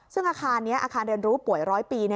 ซึ่งอาคารนี้อาคารเรียนรู้ป่วย๑๐๐ปี